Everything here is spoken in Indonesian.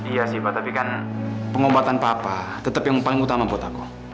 iya sih pak tapi kan pengobatan apa apa tetap yang paling utama buat aku